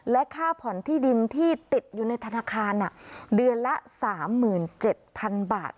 และค่าผ่อนที่ดินที่ติดอยู่ในธนาคารอ่ะเดือนละสามหมื่นเจ็ดพันบาท